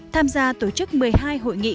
tham gia tổ chức một mươi hai hội nghị